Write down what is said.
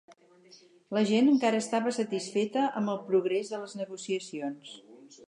La gent encara estava satisfeta amb el progrés de les negociacions.